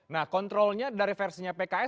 nah kontrolnya dari versinya pks